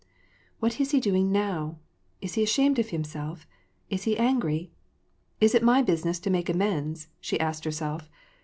'' What is he doing now ? Is he ashamed of himself ? Is he angry ? Is it my business to make amends ?" she asked herself.